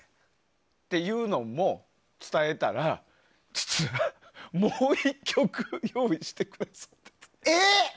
っていうのも伝えたら実は、もう１曲用意してくださったんです。